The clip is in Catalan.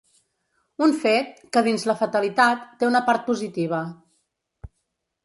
Un fet, que dins la fatalitat, té una part positiva.